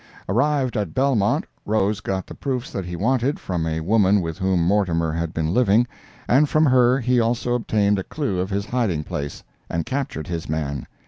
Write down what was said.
Arrived at Belmont, Rose got the proofs that he wanted, from a woman with whom Mortimer had been living, and from her he also obtained a clue of his hiding place, and captured his man.